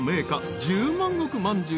十万石まんじゅう。